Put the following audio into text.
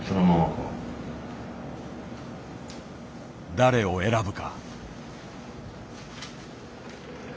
誰を選ぶか。